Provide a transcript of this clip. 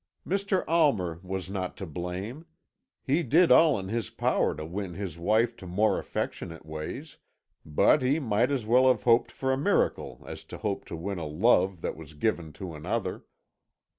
Mr. Almer was not to blame; he did all in his power to win his wife to more affectionate ways, but he might as well have hoped for a miracle as to hope to win a love that was given to another.